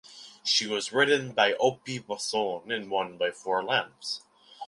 She was ridden by Opie Bosson and won by four lengths.